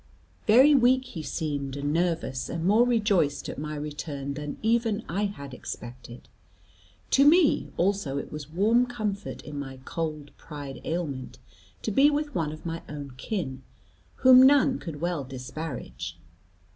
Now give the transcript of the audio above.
Very weak he seemed, and nervous, and more rejoiced at my return than even I had expected. To me also it was warm comfort in my cold pride ailment to be with one of my own kin, whom none could well disparage.